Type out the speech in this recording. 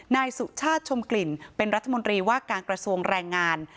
นายสุชาติชมกลิ่นเป็นรัฐมนตรีว่าการกระทรวงแรงงาน